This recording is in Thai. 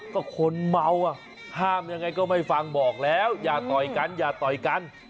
ก็คนเมาอ่ะห้ามยังไงก็ไม่ฟังบอกแล้วอย่าต่อยกันอย่าต่อยกัน